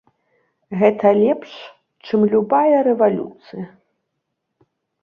Гэта лепш, чым любая рэвалюцыя.